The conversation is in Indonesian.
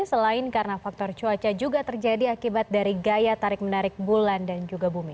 selain karena faktor cuaca juga terjadi akibat dari gaya tarik menarik bulan dan juga bumi